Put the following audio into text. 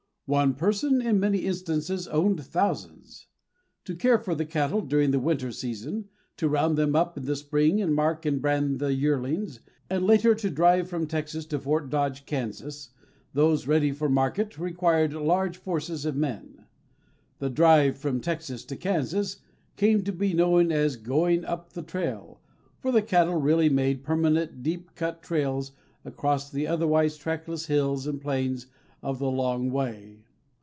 One person in many instances owned thousands. To care for the cattle during the winter season, to round them up in the spring and mark and brand the yearlings, and later to drive from Texas to Fort Dodge, Kansas, those ready for market, required large forces of men. The drive from Texas to Kansas came to be known as "going up the trail," for the cattle really made permanent, deep cut trails across the otherwise trackless hills and plains of the long way.